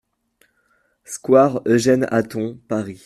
Square Eugène Hatton, Paris